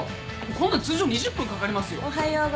こんなん通常２０分かかりますよ。